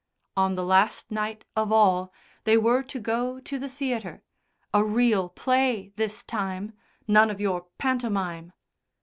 On the last night of all they were to go to the theatre a real play this time, none of your pantomime!